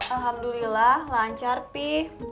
alhamdulillah lancar pi